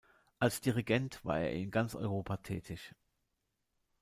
Als Dirigent war er in ganz Europa tätig.